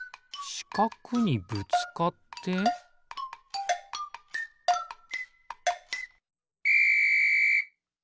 しかくにぶつかってピッ！